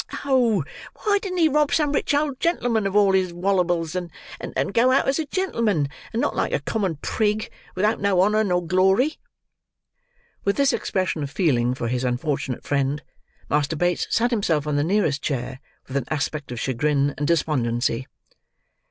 Oh, why didn't he rob some rich old gentleman of all his walables, and go out as a gentleman, and not like a common prig, without no honour nor glory!" With this expression of feeling for his unfortunate friend, Master Bates sat himself on the nearest chair with an aspect of chagrin and despondency.